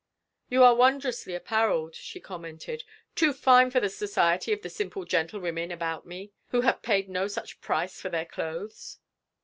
" You are wondrously apparelled," she commented, " too fine for the society of the simple gentlewomen about me ... who have paid no such price for their clothes.